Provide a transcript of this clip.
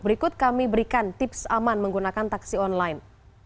berikut kami berikan tips aman menggunakan taksi online